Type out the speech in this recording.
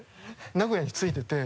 名古屋に着いてて。